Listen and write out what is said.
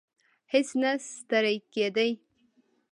هیڅ نه ستړی کېدی.